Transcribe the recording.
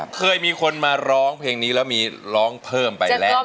เคยมีคนมาร้องเพลงนี้แล้วมีร้องเพิ่มไปและนี่แหละครับ